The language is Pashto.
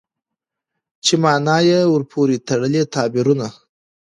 چې مانا يې ورپورې تړلي تعبيرونه